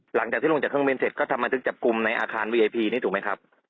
หลังจากที่ลงจากเครื่องบินเสร็จก็ทำบันทึกการจับกลุ่มงานในอาคารไวนี้ถูกไหม